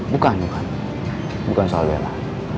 bukan bukan soal bella